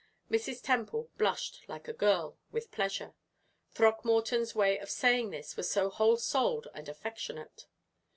Mrs. Temple blushed like a girl, with pleasure Throckmorton's way of saying this was so whole souled and affectionate.